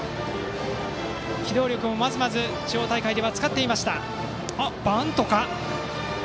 機動力をまずまず地方大会で使っていました。